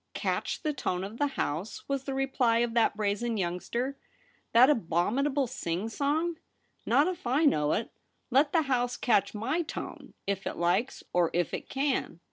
' Catch the tone of the House !' was the reply of that brazen youngster — 'that abominable sing song ? Not if I know it. Let the House catch my tone — if it likes, or if it can.'